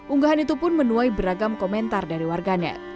unggahan itu pun menuai beragam komentar dari warganet